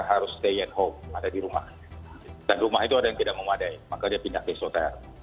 harus stay at home ada di rumah dan rumah itu ada yang tidak memadai maka dia pindah ke isoter